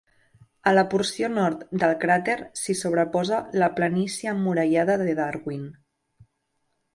A la porció nord del cràter s'hi sobreposa la planícia emmurallada de Darwin.